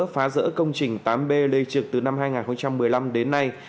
phá rỡ công trình tám b lê trực từ năm hai nghìn một mươi năm đến nay